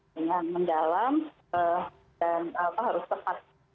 dengan mendalam dan harus tepat